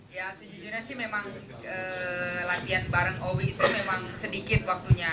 ya sejujurnya sih memang latihan bareng owi itu memang sedikit waktunya